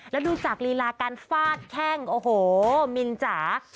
แล้วดูจากลีลาการฟาดแข้งโอ้โหมินจ๋า